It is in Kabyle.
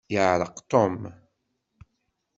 Yeɛṛeq Tom.